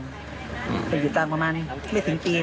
ตลอดปืนไทยแต่ทำงานเกือบจน๗ปี